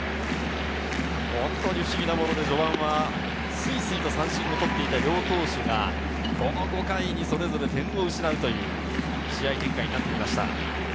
不思議なもので序盤はスイスイ三振を取っていた両投手が、５回にそれぞれ点を失う、そんな試合展開になってきました。